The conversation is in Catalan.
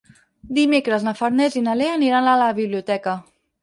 Dimecres na Farners i na Lea aniran a la biblioteca.